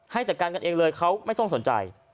ให้จัดการกันเองเลยเขาไม่ต้องสนใจ